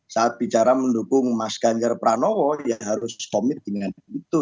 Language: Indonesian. saat bicara mendukung mas ganjar pranowo ya harus komit dengan itu